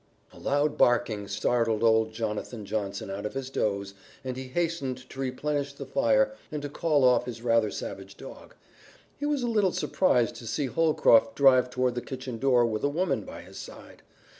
A loud barking startled old Jonathan Johnson out of his doze, and he hastened to replenish the fire and to call off his rather savage dog. He was a little surprised to see Holcroft drive toward the kitchen door with a woman by his side.